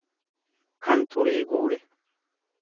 kan xurii guure.